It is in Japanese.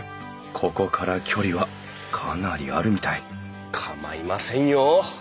ここから距離はかなりあるみたい構いませんよ。